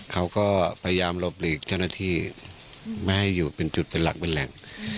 เขาก็พยายามหลบหลีกเจ้าหน้าที่ไม่ให้อยู่เป็นจุดเป็นหลักเป็นแหล่ง